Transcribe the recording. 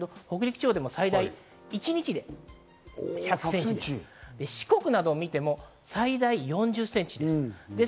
最大一日で北陸は１００センチ、四国などを見ても最大４０センチです。